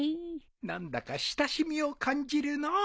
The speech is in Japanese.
何だか親しみを感じるのう。